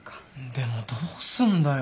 でもどうすんだよ。